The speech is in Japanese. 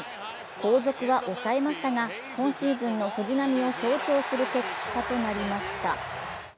後続は抑えましたが今シーズンの藤浪を象徴する結果となりました。